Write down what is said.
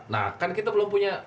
nah kan kita belum punya